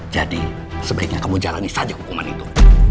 jadi sebaiknya kamu jalani saja hukuman itu